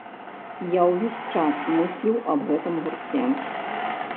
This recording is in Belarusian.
Я ўвесь час мысліў аб гэтым гурце.